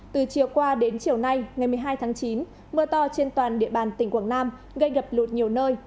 từ chiều qua đến chiều nay ngày một mươi hai tháng chín mưa to trên toàn địa bàn tỉnh quảng nam gây ngập lụt nhiều nơi